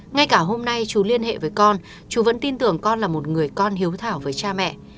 ngay cả hôm nay chú liên hệ với con chú vẫn tin tưởng con là một người con hiếu thảo với cha mẹ